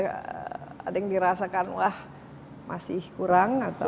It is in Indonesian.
mungkin ada yang dirasakan masih kurang atau